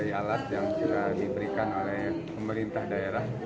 insya allah kami akan memakai alat yang sudah diberikan oleh pemerintah daerah